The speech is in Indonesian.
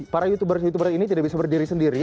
para youtuber youtuber ini tidak bisa berdiri sendiri